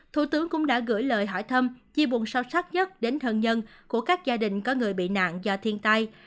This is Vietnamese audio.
thủ tướng cũng đã gửi lời hỏi thăm chia buồn sâu sắc nhất đến thân nhân của các gia đình có người bị nạn do thiên tai